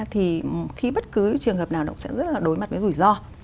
thì khi bất cứ trường hợp nào cũng sẽ rất là đối mặt với rủi ro